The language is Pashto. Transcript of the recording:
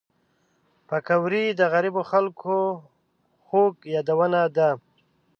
پکورې د غریبو خلک خوږ یادونه ده